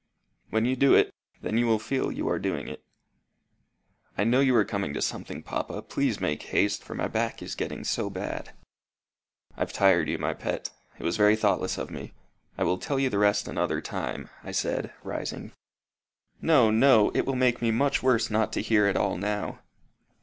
"When you do it, then you will feel you are doing it." "I know you are coming to something, papa. Please make haste, for my back is getting so bad." "I've tired you, my pet. It was very thoughtless of me. I will tell you the rest another time," I said, rising. "No, no. It will make me much worse not to hear it all now."